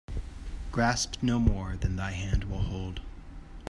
Grasp no more than thy hand will hold